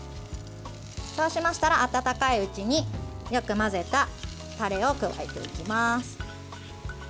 そうしましたら、温かいうちによく混ぜたタレを加えていきます。